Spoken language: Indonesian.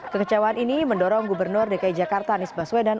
kekecewaan ini mendorong gubernur dki jakarta anies baswedan